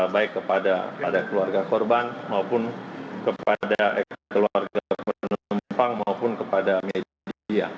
baik kepada keluarga korban maupun kepada keluarga penumpang maupun kepada media